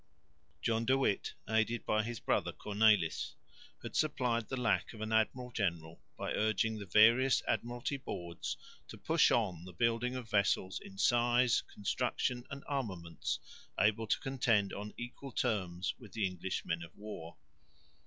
John de Witt, aided by his brother Cornelis, had supplied the lack of an admiral general by urging the various Admiralty Boards to push on the building of vessels in size, construction and armaments able to contend on equal terms with the English men of war.